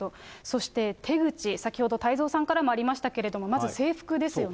そして手口、先ほど太蔵さんからもありましたけれども、まず制服ですよね。